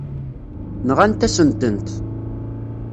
Nɣant-asen-tent.